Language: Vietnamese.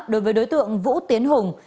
đối với đối tượng vũ tiến hùng